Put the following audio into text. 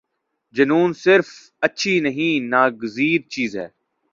جنون صرف اچھی نہیں ناگزیر چیز ہے۔